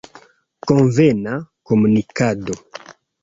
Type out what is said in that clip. Konvena komunikado.